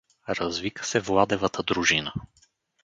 Развика се Владевата дружина.